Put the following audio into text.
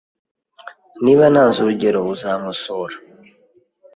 Niba ntanze urugero, uzankosora?